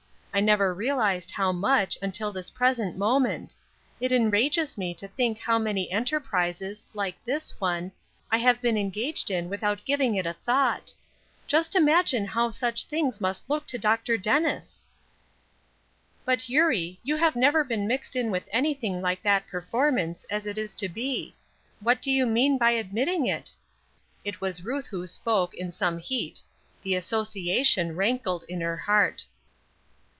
I never realized how much, until this present moment. It enrages me to think how many enterprises, like this one, I have been engaged in without giving it a thought. Just imagine how such things must look to Dr. Dennis!" "But, Eurie, you have never been mixed in with anything like that performance, as it is to be! What do you mean by admitting it?" It was Ruth who spoke, in some heat; the association rankled in her heart.